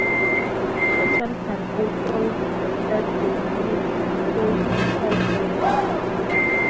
The terms can also refer to limits imposed on such a ratio.